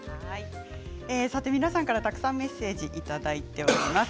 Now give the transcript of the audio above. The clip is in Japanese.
皆さんからたくさんメッセージいただいております。